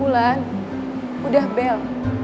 ulan udah bel